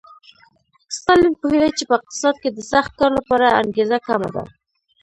ستالین پوهېده چې په اقتصاد کې د سخت کار لپاره انګېزه کمه ده